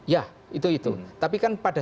ya itu itu tapi kan pada